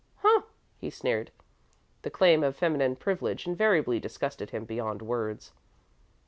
"Huh!" he sneered. The claim of feminine privilege invariably disgusted him beyond words.